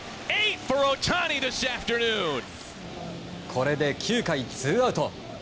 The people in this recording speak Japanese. これで９回ツーアウト。